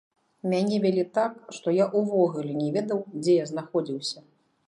Мяне вялі так, што я ўвогуле не ведаў, дзе я знаходзіўся.